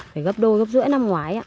phải gấp đôi gấp rưỡi năm ngoái ạ